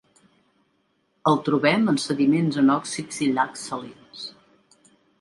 El trobem en sediments anòxics i llacs salins.